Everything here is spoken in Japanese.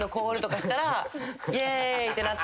イェーイってなって。